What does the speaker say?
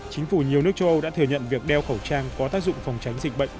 chính phủ nhiều nước châu âu đã thừa nhận việc đeo khẩu trang có tác dụng phòng tránh dịch bệnh